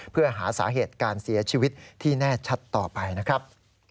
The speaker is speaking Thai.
เพื่อหาสาเหตุการเสียชีวิตที่แน่ชัดต่อไปนะครับ